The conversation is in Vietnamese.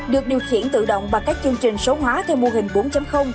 được điều khiển tự động bằng các chương trình số hóa theo mô hình bốn